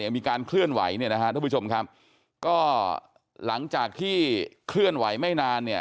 มีการเคลื่อนไหวทุกผู้ชมครับก็หลังจากที่เคลื่อนไหวไม่นาน